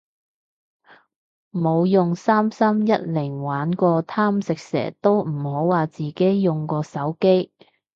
冇用三三一零玩過貪食蛇都唔好話自己用過手機